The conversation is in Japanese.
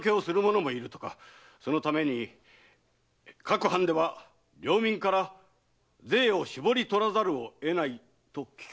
そのために各藩では領民から税を搾り取らざるを得ないとか。